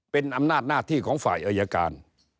เป็นอำนาจหน้าที่ของฝ่ายอายการ